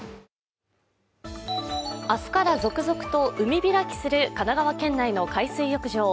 明日から続々と海開きする神奈川県内の海水浴場。